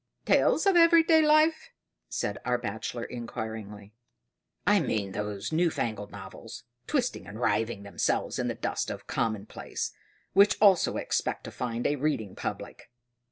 "'Tales of Every day Life?'" said our Bachelor inquiringly. "I mean those new fangled novels, twisting and writhing themselves in the dust of commonplace, which also expect to find a reading public."